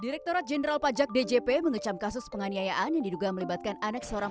direkturat jenderal pajak djp mengecam kasus penganiayaan yang diduga melibatkan anek seorang